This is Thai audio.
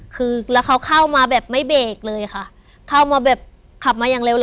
คือแล้วเขาเข้ามาแบบไม่เบรกเลยค่ะเข้ามาแบบขับมาอย่างเร็วเลย